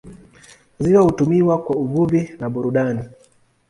Ziwa hutumiwa kwa uvuvi na burudani.